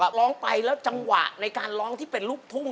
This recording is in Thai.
น่าจะไปจังหวะในการลองที่เป็นลุกทุ่ง